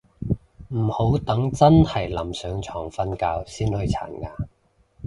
唔好等真係臨上床瞓覺先去刷牙